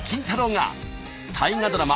が大河ドラマ